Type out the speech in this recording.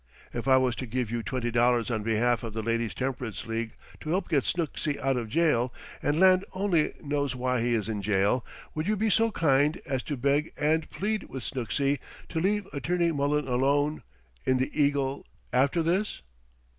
If I was to give you twenty dollars on behalf of the Ladies' Temperance League to help get Snooksy out of jail, and land only knows why he is in jail, would you be so kind as to beg and plead with Snooksy to leave Attorney Mullen alone, in the 'Eagle,' after this?"